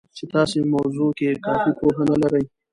چې تاسې موضوع کې کافي پوهه نه لرئ